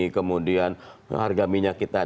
kemudian harga minyak kita